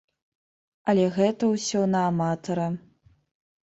Але гэта ўсё на аматара.